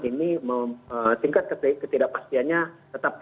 ini tingkat ketidakpastiannya